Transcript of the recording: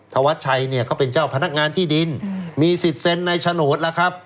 ธวัชชัยเนี่ยเขาเป็นเจ้าพนักงานที่ดินมีสิทธิ์เซ็นในโฉนดแล้วครับ